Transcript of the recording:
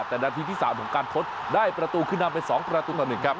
แต่นาทีที่สามของการทดได้ประตูขึ้นมาเป็นสองประตูต่อหนึ่งครับ